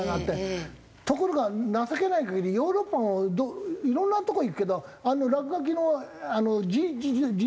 ところが情けない限りヨーロッパもいろんなとこ行くけど。